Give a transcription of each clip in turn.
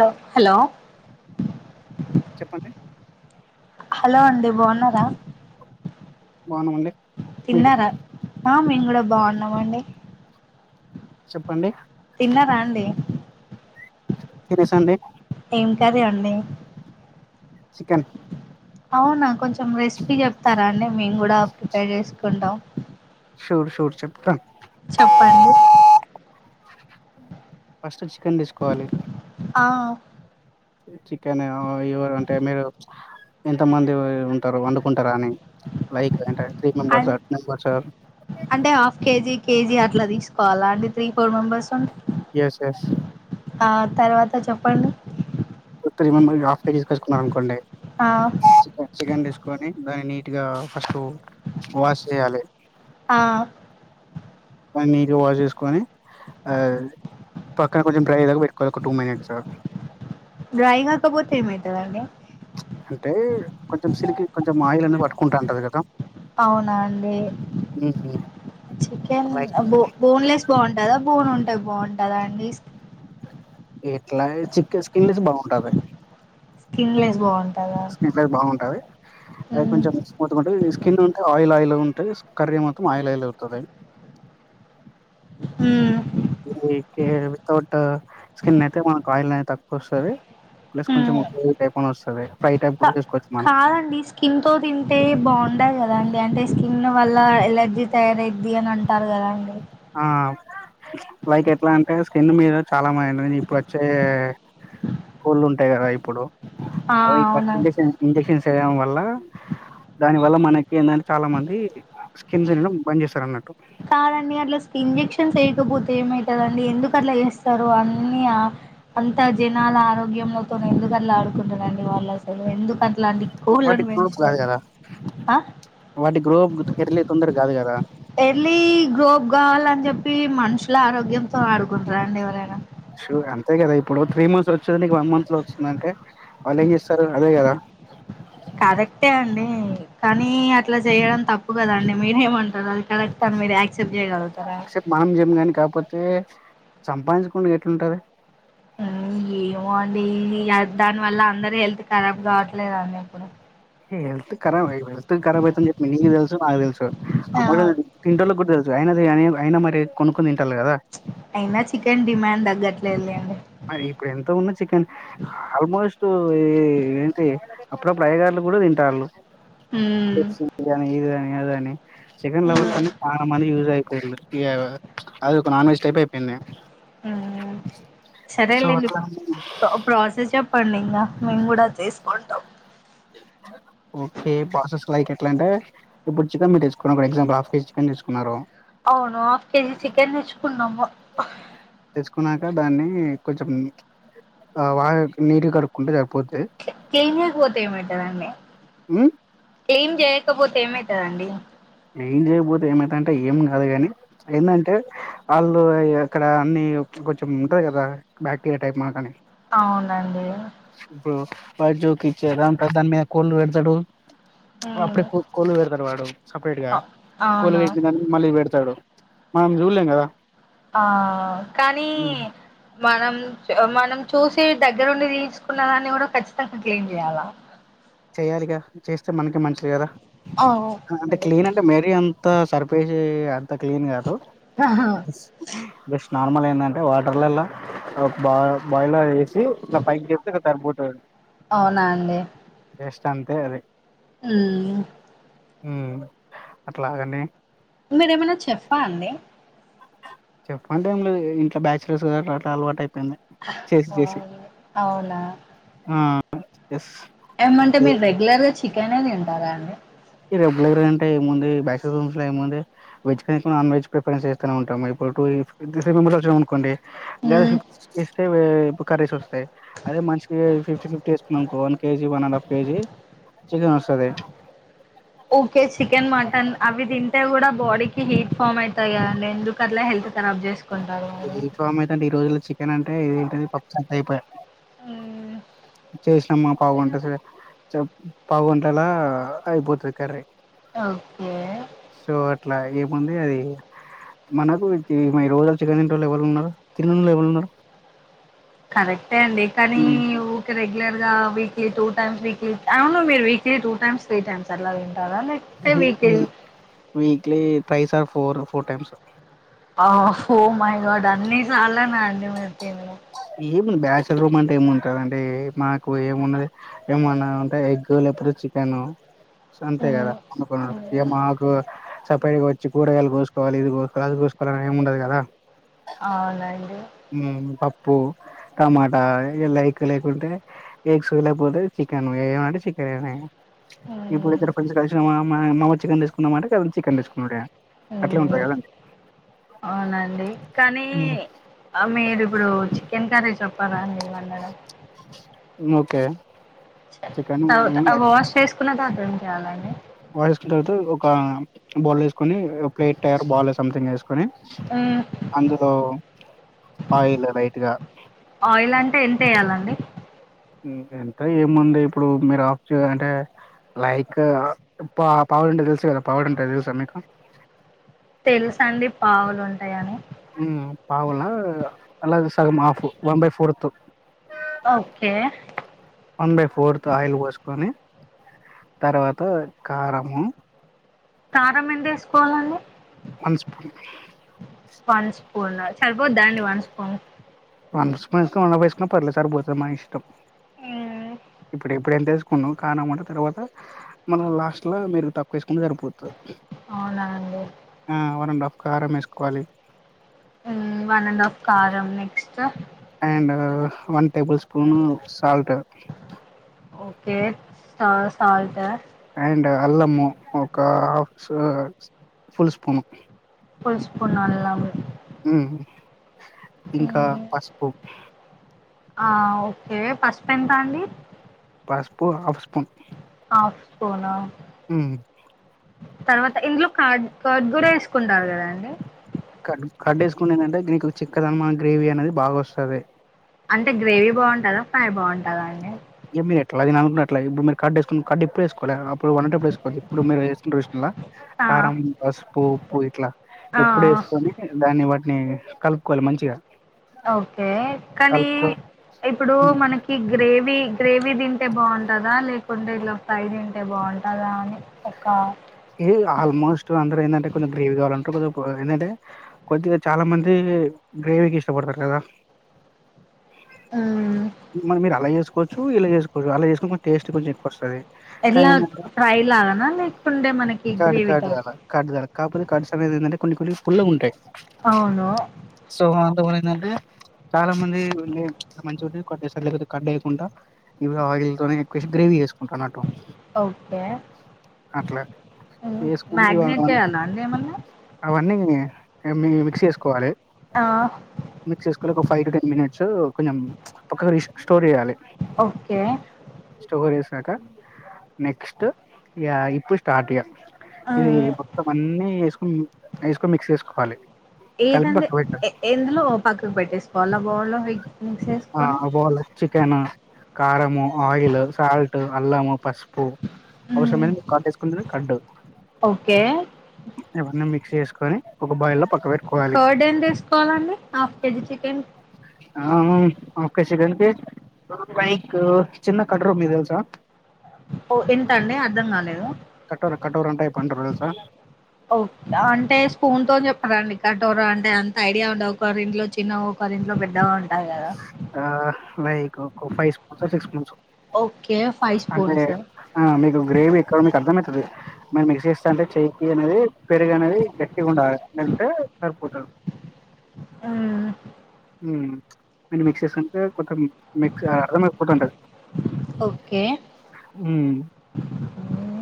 లో హలో చెప్పండి హలో అండి బావున్నారా బావున్నమండి తిన్నారా ఆ మేం గూడా బావున్నామండి చెప్పండి తిన్నరా అండి తేనెసండి ఎం కర్రి అండి చికన్ ఔన కొంచెం రెస్పీ చేప్తారా అండి మేం గూడా ప్రిపేర్ జేస్కుంటాం షూడ్ షూడ్ చెప్తాన్ చెప్పండి ఫస్ట్ చికెన్ దిస్కోవాలి ఆ చికెన్ ఆ ఎవరు అంటే మీరు ఎంత మంది ఉంటారు వండుకుంటారాని లైక్ అంటే త్రీ మెంబర్స్ అన్ టూ మెంబర్స్ సార్? అంటే హాఫ్ కేజీ కేజీ అట్ ఇట్లా తీసుకోవాల అండి త్రి ఫోర్ మెంబెర్స్ ఉం ఎస్ ఎస్ ఆ తర్వాత చెప్పండి ఓ త్రి మెంబెర్స్ కి హాఫ్ కేజీ తీసుకచ్చుకున్నారు అనుకోండి ఆ చికెన్ తీస్ కొని దాన్ని నీట్ గా ఫస్ట్ వాష్ చేయాలి ఆ బా నీటి గా వాష్ చేసుకొని ఆ పక్కన కొంచెం డ్రై అయేదాకా పెట్టుకోవాలి ఒక టూ మినిట్స్ డ్రై కాకపోతే ఏమైంతదండి అంటే కొంచెం సిలికి కొంచెం ఆయిల్ అనేది పట్టుకుంటాంటది కదా అవునా అండి చికెన్ లైక్ బో బోన్ లెస్ బావుంటద బోన్ ఉంటది అది బావుంటద అండి ఎట్లా చిక్ స్కిన్ లెసే బావుంటాది స్కిన్లెస్ బాగుంటదా స్కిన్ లెస్ బావుంటాది అది కొంచెం స్మూత్ గా ఉంటే స్కిన్ ఉంటే ఆయిల్ ఆయిల్ గా ఉంటే కర్రీ మొత్తం ఆయిల్ ఆయిల్ అవుతాది ఉమ్ కే వితౌట్ స్కిన్ అయితే మనకు ఆయిల్ అనేది తక్కువ వస్తాది ప్లస్ కొంచెం ఉక్కు టైపు అని వస్తాది ఫ్రై టైపు కా కూడా చేసుకోవచ్చు మనం కాదండి స్కిన్ తో తింటే బావుండకదండి అంటే స్కిన్ వల్ల ఎలేర్జీ తయారయిద్ది అని అంటారు కదా అండి ఆ లైక్ ఎట్లా అంటే స్కిన్ మీద చాలా మైను ఇప్పుడు వచ్చే కొడ్లు ఉంటాయి కదా ఇప్పుడు ఆ అవి వర్కులు అవునండి చేసే ఇంజక్షన్స్ వేయడం వల్ల దాని వల్ల మనకి ఏంది అంటే చాలా మంది స్కిన్ తినడం బంద్ చేస్తారు అన్నట్టు కాదండి అట్లా ఇంజక్షన్ వేయకపోతే ఏమవుతదండి ఎందుకు అట్లా చేస్తారు అన్ని ఆ అంత జనాల ఆరోగ్యంలతో ఎందుకు అలా ఆడుకుంటారండి వాళ్ళు అసలు ఎందుకం ఇలాంటి కొడ్లను వాటికి రూల్స్ కాదు పెంచుతారు కదా ఆ వాటి గ్రోత్ తెరలే తొందర కాదు కదా కి గ్రోప్ కావాలని చెప్పి మనుషుల ఆరోగ్యంతో ఆడుకుంటారండి ఎవరైనా శు అంతే కదా ఇప్పుడు త్రీ మంత్స్ వచ్చిది నీకు వన్ మంత్ లో వచ్చిందంటే వాళ్ళు ఏం చెస్తారు అదే కదా కరెక్ట్ అండి కానీ అట్లా చేయడం తప్పు కదాండి మీరేమంటారు అది కరెక్ట్ అని మీరు యాక్ యాక్సెప్ట్ మనం జేయం గాని కాకపోతే సంపాదించుకుండా ఎట్లుంటది ఉమ్ ఏమో అండి దాని వల్ల అందరు హెల్త్ ఖరాబ్ కావట్లేదా అండి ఇపుడు హల్త్ ఖరాబ్ హెల్త్ ఖరాబ్ అయితని చెప్పి నీకు తెలుసు నాకు తెలుసు ఆ మాములు తింటోలకు కూడా తెలుసు అయ అయన మరి కొన్నుకొని అయినా చికెన్ డిమాండ్ తగ్గట్లే లేండి మరి ఇప్పుడు ఎంతో ఉన్న చికెన్ ఆల్మోస్ట్ ఏంటి అప్పుడప్పుడు అయ్యగార్లు కూడా తింటాలు ఉమ్, బిర్యానీ ఇది అని అది అని చికెన్ లవర్స్ అనే చాలా మంది యూస్ అయిపోలు అది ఒక నాన్ వెెజ్ టైపు అయిపోయింది ఉమ్ సో సరేలేండి అట్లా ప్ర-ప్రాసెస్ చెప్పండి ఇంగ మేము కూడా చేసుకోంటాం ఓకే ప్రాసెస్ లైక్ ఎట్లాంటే ఇప్పుడు చికెన్ మీరు తెచ్చుకున్నారు ఎగ్జాంపుల్ ఒక హాఫ్ కేజి చికెన్ తెచ్చుకున్నారు అవును హాఫ్ కేజీ చికెన్ తేచ్చుకున్నాము తెచ్చుకున్నాక దాన్ని కొంచెం ఆ వా నీటిగా కడుక్కుంటూ జర్ కే కెమియ కి పోతే ఏమైతదండీ ఉమ్, ఏం చేయకపోతే ఏమైతదండి ఏం చేయపోతే ఏమైతదంటే ఏం గాదు గనీ ఏందంటే వాళ్ళు అ ఇగ అక్కడ అన్ని కొంచెం ఉంటది గదా బ్యాక్టీరియా టైప్ మాకానె ఆవునండి [unintelligible] దానిమీద కోళ్లు పెడ్తడు వ హ్మ్ అప్పుడే కోళ్ళు పెడ్తడు వాడు సపరేట్ గా అ కోడ్లు అవును పెట్టిన దానికి మళ్ళీ పెడ్తడు మనం జులేం గదా ఆ కానీ మనం చ్ మనం చూసి దగ్గరుండి తీయించుకున్న దాన్ని గుడ ఖచ్చితంగా క్లీన్ చేయాలా చెయాలిగా చేస్తే మనకే మంచిదె గద అవును అంటె అండి క్లీన్ అంటె మేరీ అన్ అంతా సర్పేశీ అంత క్లీన్ గాదు ఆహా జస్ నార్మల్ ఏందంటే వాటర్లలా బా బాయిల ఏసి ఇంక పైకి లేప్తె క సరిపోతది ఔనా అండి జస్ట్ అంతే అది మ్ గ మ్ అట్లా దాన్ని మీరేమన్న చెఫ్ఫా అండి చెఫ్ అంటే ఏం లేదు ఇంట్ల బ్యాచలర్స్ గా అట్లా అలవాటై పోయింది చేసి చేసి అవును. అవునా ఆ ఎస్ ఏమంటే మీర్ రెగ్యులర్ గా చికెనే తింటారా అండి రెగ్యులర్ గా అంటే ఏముంది బ్యాచిలర్స్ రూమ్స్ లో ఏముంది వెజ్ కన నాన్ వెజ్ ప్రిఫరెన్స్ చేస్తనే ఉంటాము ఎప్ హ్మ్ [unintelligible] కరీస్ ఒస్తాయి అదే మనిషికి ఫిఫ్టీ ఫిఫ్టీ ఎస్కున్నమనుకో one KG one and half KG chicken ఓస్తదీ ఊకే చికెన్ మటన్ అవి దింటే కూడా బాడీకి హీట్ ఫామ్ ఐతాయిది కదండి ఎందుకు అట్లా హెల్ కరాబ్ జెస్ హీట్ ఫామ్ అయితదంటే ఈ రోజుల్లో చికెన్ అంటే ఏంటిది పప్పు చారు ట్రైప్ పైయ్ హ్మ్. చేస్ అమ్మా పౌగంట సే చెప్ పౌగంటలా అయిపోతది కర్రీ ఓకే సో అట్లా ఏముంది అది మనకు [unintelligible] రోజ్ ఆ చికెన్ తినేటోలు ఎవలున్నర తిననోలు ఎవరున్నారు కరెక్టే అండి కానీ ఊకె రెగ్ రెగ్యులర్గా వీక్లీ టూ టైమ్స్ వీక్లీ అహా మీరు weekly two times three times అట్లతిన్ వీ వి weekly ట్రిస్ or four four times ఆ హో మైగడ్ అన్ని సర్లాన అండి మీరు తిన్ ఏమి బ్యాచలర్ రూమ్ అంటే ఏముంటదండీ మాకు ఏమున్నది ఎమ్మన ఉంటె ఎగ్ లేకపోతే చిక్ కెనూ సో అంతే గదా హ్మ్. వండుకునుడు హ్మ్. ఇగ మాకు సుప్రైజ్ గ ఒచ్చి కూరగైల్ గోసుకోవాలి ఇవి గోస్కోల్ అవి గోస్కోల్ అని ఏం ఉండదు గదా ఔనండి మ్ పప్పు టమాటా ఇగ లైక్ లేకుంటే ఎగ్స్ లేకపోతే చికెన్ ఏ ఏమంటే చికెన్ ఏనై ఇప్పుడు హ్మ్. ఇద్దర్ ఫ్రెస్ కల్సినమా మామ చికెన్ తీసుకుందామా అంటే చికెన్ తీసుకునుడే అట్లే ఉంటది కదండి ఔనండి కానీ ఆ మీర్ ఇప్పుడు చికెన్ కర్రీ చెప్పారా అండి వండడం ఒకే అవు వాష్ చేసుకున్న తర్వాత ఏం చేయాలండి. వాహ్ చేసుకున్న తర్వాత ఒక బౌల్ తి కోని ప్లేట్ ఆర్ బాల్ సంథింగ్ వేసుకుని హ్మ్. అందులో ఆయిలు లైట్ గా ఆయిల్ అంటే ఎంతేయాలండి? ఎంత ఎముంది ఇప్పుడు మీరు ఆఫ్ అంటే లైక్ పాప్ రెండు తెలుసు కదా పావడంటె తెలుస మీకు తెలుసండి పావులు ఉంటాయని పావుల అలా సగం half one by fourth okay. One by fourth oil పోసుకొని తర్వాత కారము కారం ఎంత వేసుకోవాలండి వన్ స్పూన్ వన్ సరిపోద్దా అండి వన్ స్పూన్ వన్ స్పూన్ వేస్క్ వన్ అఫ్ వేసుకున్న పర్లే సరిపోతాది మనిఇష్టం ఇప్పుడు ఇప్పుడు ఎంతేస్ కానమాట తర్వాత మనం లాస్ట్ లో మీరు తక్ వేస్ సరిపోతది అవునా అండి ఆ వన్ అండ్ హాఫ్ కారం వేసుకోవాలి. ఆ వన్ అండ్ ఆఫ్ కారం next and one table spoon salt okay స సాల్ట్ అండ్ అల్లము ఒక half full spoon full spoon అల్లం ఉమ్ ఇంకా పసుపు ఆ ఓకే పసుపు ఎంత అండి పసుపు హాఫ్ స్పూన్ ఆఫ్ స్పూన్ ఆ తర్వాత ఇందులో క కర్డ్ కూడా వేసుకుంటారు. కదాండి కడ్ కర్డ్ వేసుకుంటే ఏందంటే దీకు చికెన్ గ్రేవీ అనేది బాగా వస్తది. అంటే గ్రేవీ బాగుంటదా ఫ్రై బాగుంటదా అండి. ఏ మీరు ఎట్లా దినాలి. అనుకుంటే అట్లా ఇప్పుడు మీరు కర్డ్ కర్డ్ ఎప్పుడు వేసుకోలేరా ఎప్పుడు కావాలంటే అప్పుడు వేసుకోవద్దు. ఇప్పుడు మీరు వేసుకున్నారు చూసిర్రా కారం, పసుపు, ఉప్పు ఇట్లా ఇప్పుడే కొని దాన్ని వాటిని కలుపుకోవాలి మంచిగా ఓకే కానీ కలుపుకో ఇప్పుడు మనకి గ్రేవీ గ్రేవీ తింటే బాగుంటదా లేకుంటే ఇలా ఫ్రై తింటే బాగుంటదా అని ఒక ఏ ఆల్మోస్ట్ అందరు ఏందంటే కొంచెం గ్రేవి కావాలంటరు. కొ ఏందంటే కొద్దిగా చాలా మంది గ్రేవీకి ఇష్టపడతారు కదా ఉ మనం మీరు అలా చేసుకోవచ్చు. ఇలా చేసుకోవచ్చు. అలా చేసుకుంటే టేస్ట్ కొంచెం ఎక్కువ వస్తది. కానీ ఏంది అంటే అననా లే కర్డ్ కర్డ్ ఆలా కర్డ్ కాకపోతే కర్డ్స్ అనేది ఏందంటే కొన్ని కొన్ని పుల్లగ ఉంటాయి. అవును ఏంది అంటే చాలా మంది ఉండే మంచి ఉ కర్డ్ ఎస్తారు. లేకపోతే కర్డ్ వేయకుండా, ఇవి ఆయిల్ తోనే ఎక్కువ ఎసి గ్రేవీ చెస్ ఉంటున్నట్టు అట్లే మ్యాగ్నెట్ చేయాలా అండి ఎమన్నా అన్నీ మి మిక్స్ చేసుకోవాలి. ఆ మిక్స్ చేసుకోవాలి ఒక ఫైవ్ టు టెన్ మినిట్స్ కొంచెం పక్క స్టోర్ చేయాలె. ఓకే కాక నెక్స్ట్ ఇగ ఇప్పుడు స్టార్ట్ ఇగ ఆ ఇది మొత్తం అన్ని వేసుకొని వేసుకొని మిక్స్ చేసుకోవాలి కలిపి ఏదండి పక్క పెట్టాలి ఎ-ఎందులో పక్కకు పెట్టేసుకోవాలి బౌల్ లో ఆ ఓ బౌల్ చికన్ కారము ఆయిల్ సాల్ట్ అల్లము పస్ ప్పు మ్ అవసరం అ మీకు కడ్ వేసుకుంట కడ్డు ఓకే ఇవన్నీ మీక్ చేస్కొని ఒక బైలం కర్డ్ ఏం తీసుకోవాలండి హాఫ్ కేజి చికెన్ ఆహా ఆఫ్ కేజీ చికెన్ కి చిన్న కటరు మీకు తెలుసా ఓ ఎంత అండి అర్ధం గాలేదు కఠోర కఠోర అంటే పంట గదా సార్ ఓ అంటే స్పూన్ తో చెప్పరా అండి కటోర అంటే అంత ఐడియా ఉండవు ఒకరింట్లో చిన్న ఒక కరి ఇంట్లో పెద్దగా ఉంటాయి గదా ఆ లైకు ఒక ఫైవ్ స్పూన్సో సిక్స్ స్పూన్సో ఓకే ఫైవ్ అంటే స్పూన్స్ ఆ మీకు గ్రేవీ ఎక్కువ మీకు అర్థమై మేము మిక్సీ ఇస్తా అంటే చేకి అన్నది పెరుగు అనేది గట్టిగా ఉండాలి ఉంటే సరిపోతడు మ్మ్ ఉమ్ అండ్ మిక్స్ చేసుకుంటే కొంతం మిక్స్ అర్థమైపోతుంటది ఓకే ఉమ్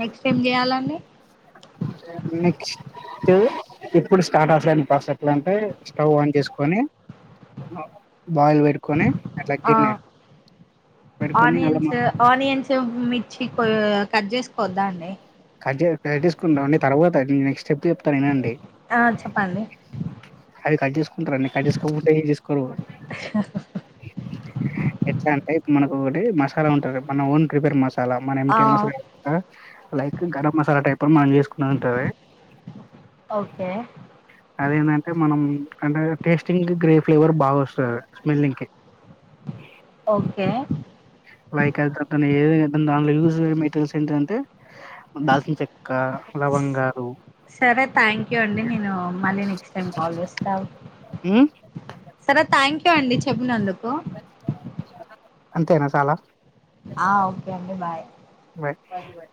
నెక్స్ట్ ఏం చేయాలండి నెక్స్ట్ ఇప్పుడు స్టార్ట్ అసాను ఎట్లా అంటే స్టవ్ ఆన్ చేసుకొని బాయిల్ పెట్టుకొని అట్ల ఆ గిన్నె పెట్టుకొని అలా మ ఆనియన్స్ ఆనియన్స్ మిర్చి కో-కట్ చేసుకోవద్దాండి కట్ చెయ్ కట్ చేసుకుంటావ్వని తర్వాత అది నెక్స్ట్ స్టెప్ చెప్తా వినండి ఆ చెప్పండి అవి కట్ చేసుకుంటారన్ని కట్ చేసుకోకుండా ఏం చేస్కోరు ఎట్లా అంటే ఇప్పుడు మనక్ ఒకటి మసాలా ఉంటది మన ఓన్ ప్రిపెర్ మసాలా మన ఏం ఆ టి ఆర్ మసాలా గరం మసాలా టైప్ మనం జెసుకున్నది ఉంటది ఓకే అదేందంటే మనం అంటే టేస్టింగ్ గ్రేవ్ ఫ్లేవర్ బాగ వస్తదాది స్మెల్లింగ్ కి ఓకే లైక్ [unintelligible] లవంగాలు సరే థాంక్యూ అండి నేను మళ్ళీ నెక్స్ట్ టైం కాల్ చేస్తావ్ మ్ థ్యాంక్యూ అండి చెప్పినందుకు అంతేన సాల ఆ ఓకే అండి బాయ్ బాయ్ బాయ్